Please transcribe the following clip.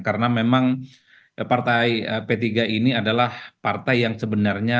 karena memang partai p tiga ini adalah partai yang sebenarnya